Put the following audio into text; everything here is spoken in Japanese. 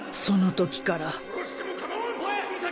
その時から。